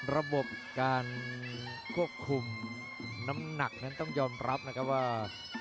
ระบบการควบคุมน้ำหนักนั้นต้องยอมรับนะครับว่า